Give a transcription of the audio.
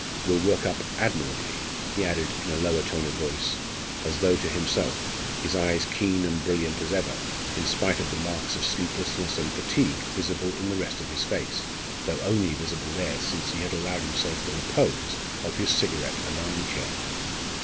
"Will work up admirably," he added in a lower tone of voice, as though to himself, his eyes keen and brilliant as ever, in spite of the marks of sleeplessness and fatigue visible in the rest of the face, though only visible there since he had allowed himself the repose of his cigarette and arm chair.